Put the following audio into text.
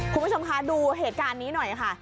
คุณผู้ชมคะดูเหตุการณ์นี้หน่อยค่ะ